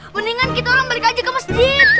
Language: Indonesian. mendingan kita orang balik aja ke masjid